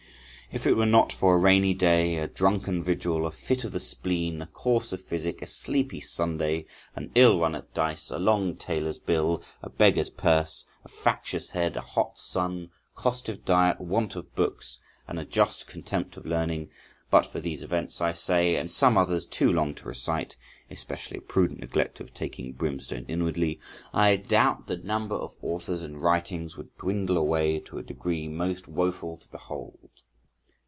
If it were not for a rainy day, a drunken vigil, a fit of the spleen, a course of physic, a sleepy Sunday, an ill run at dice, a long tailor's bill, a beggar's purse, a factious head, a hot sun, costive diet, want of books, and a just contempt of learning,—but for these events, I say, and some others too long to recite (especially a prudent neglect of taking brimstone inwardly), I doubt the number of authors and of writings would dwindle away to a degree most woeful to behold.